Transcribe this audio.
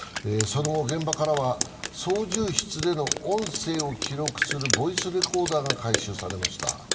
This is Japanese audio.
その後、現場からは操縦室での音声を記録するボイスレコーダーが回収されました。